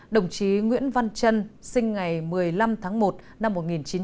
đồng chí nguyễn văn trân sinh ngày một mươi năm tháng một năm một nghìn chín trăm bảy mươi